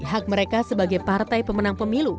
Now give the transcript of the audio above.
hak mereka sebagai partai pemenang pemilu